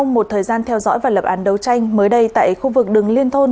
một thời gian theo dõi và lập án đấu tranh mới đây tại khu vực đường liên thôn